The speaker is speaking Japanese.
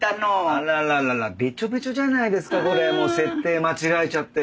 あららららべちょべちょじゃないですかこれもう設定間違えちゃって。